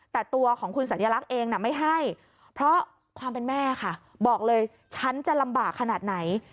แต่ตัวของคุณสัญลักษณ์เองไม่ให้เพราะความเป็นแม่ค่ะบอกเลยฉันจะลำบากขนาดไหน